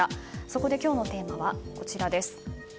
そこで今日のテーマはこちら。